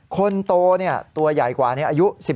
คนโตเนี่ยตัวใหญ่กว่านี้อายุ๑๔